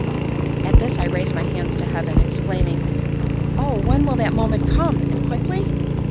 At this I raised my hands to heaven, exclaiming: "Oh, when will that moment come, and quickly?"